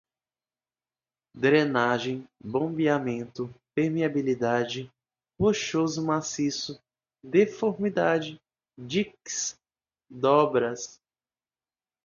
drenagem, bombeamento, permeabilidade, rochoso maciço, deformabilidade, diques, dobras